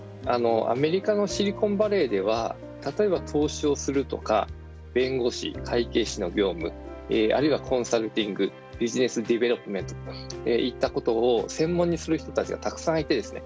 アメリカのシリコンバレーでは例えば投資をするとか弁護士、会計士の業務あるいはコンサルティングビジネスディベロップメントといったことを専門にする人たちがたくさんいてですね